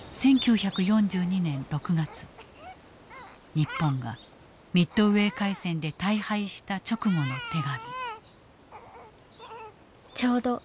日本がミッドウェー海戦で大敗した直後の手紙。